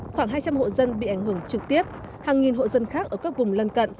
khoảng hai trăm linh hộ dân bị ảnh hưởng trực tiếp hàng nghìn hộ dân khác ở các vùng lân cận